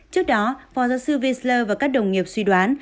trước đó phó giáo sư vinsler và các đồng nghiệp suy đoán